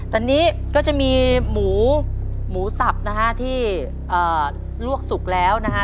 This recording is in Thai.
ตอนนี้ก็จะมีหมูหมูสับนะฮะที่ลวกสุกแล้วนะฮะ